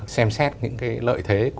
xem xét những cái lợi thế